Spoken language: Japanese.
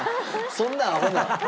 そんなアホな。